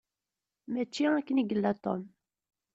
Mačči akken i yella Tom.